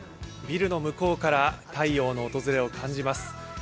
ビルの向こうから太陽の訪れを感じます。